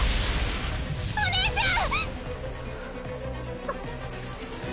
お姉ちゃん！